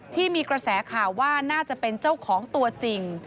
ที่มีกระแสข่าวว่าน่าจะเป็นเจ้าของตัวจริง